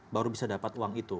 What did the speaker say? baru bisa dapat uang itu